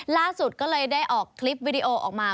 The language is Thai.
ล่าสุดก็เลยได้ออกคลิปวิดีโอออกมา